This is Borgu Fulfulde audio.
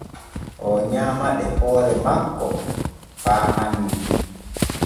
Oo ƴamaɗe hoore makko faa hanne.